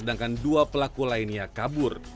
dua pelaku lainnya kabur